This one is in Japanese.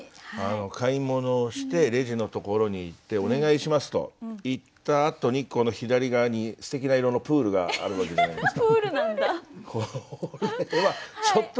買い物をしてレジのところに行って「お願いします」と言ったあとに左側にすてきな色のプールがあるわけじゃないですか。